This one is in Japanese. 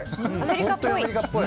本当にアメリカっぽい。